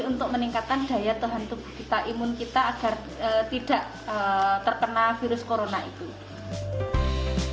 jadi untuk meningkatkan daya tubuh kita imun kita agar tidak terkena virus corona itu